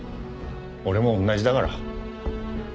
俺も同じだから。